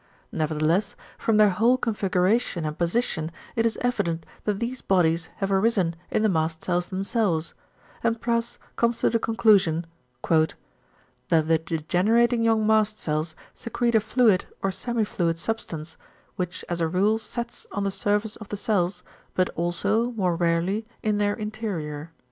Nevertheless from their whole configuration and position it is evident that these bodies have arisen in the mast cells themselves; and Prus comes to the conclusion "=that the degenerating young mast cells secrete a fluid or semi fluid substance, which as a rule sets on the surface of the cells, but also, more rarely, in their interior=."